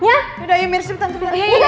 yaudah mir silahkan tunggu